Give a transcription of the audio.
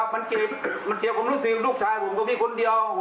มันเสียความรู้สึกลูกชายผมก็มีคนเดียว